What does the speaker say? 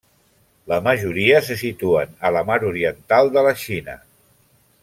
La majoria se situen a la mar Oriental de la Xina.